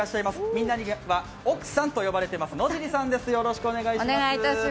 みんなには奥さんと呼ばれています野尻さんです。